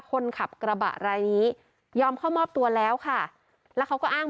คนขับกระบะรายนี้ยอมเข้ามอบตัวแล้วค่ะแล้วเขาก็อ้าง